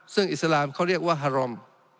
ซึ่งอิสลามเขาเรียกว่าฮารอม